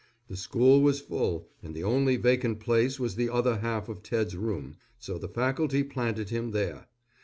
The school was full, and the only vacant place was the other half of Ted's room, so the faculty planted him there.